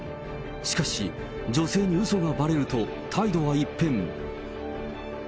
しかし女性にうそがばれると、態度は一変。